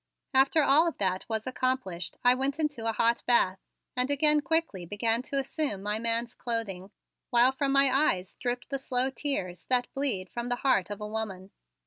After all of that was accomplished I went into a hot bath and again quickly began to assume my man's clothing, while from my eyes dripped the slow tears that bleed from the heart of a woman.